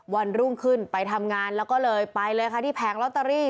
วันรุ่งขึ้นไปทำงานแล้วก็เลยไปเลยค่ะที่แผงลอตเตอรี่